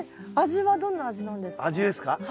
味はどんな味なんですか？